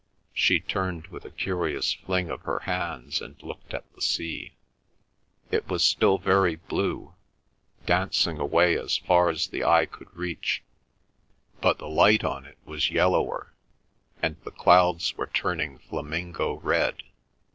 She turned with a curious fling of her hands and looked at the sea. It was still very blue, dancing away as far as the eye could reach, but the light on it was yellower, and the clouds were turning flamingo red.